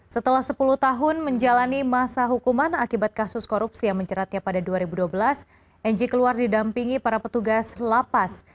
setelah sepuluh tahun menjalani masa hukuman akibat kasus korupsi yang menceratnya pada dua ribu dua belas ng keluar didampingi para petugas lapas